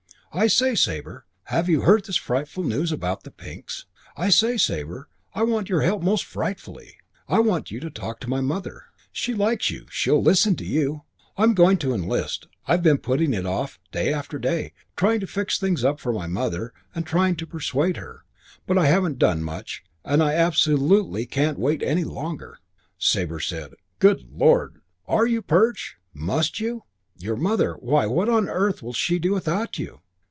"I say, Sabre, have you heard this frightful news about the Pinks? I say, Sabre, I want your help most frightfully. I want you to talk to my mother. She likes you. She'll listen to you. I'm going to enlist. I've been putting it off day after day, trying to fix up things for my mother and trying to persuade her; but I haven't done much and I absolutely can't wait any longer." Sabre said, "Good Lord, are you, Perch? Must you? Your mother, why, what on earth will she do without you?